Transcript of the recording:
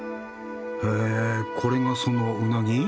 へえこれがそのウナギ？